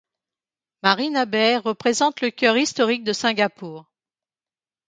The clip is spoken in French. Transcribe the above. Marina Bay représente le cœur historique de Singapour.